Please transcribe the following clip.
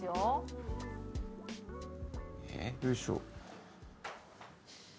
えっ？よいしょ。